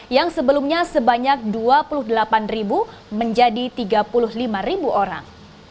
yang sebelumnya sebanyak dua puluh delapan menjadi tiga puluh lima orang